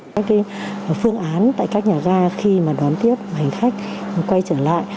các phương án tại các nhà ga khi mà đón tiếp hành khách quay trở lại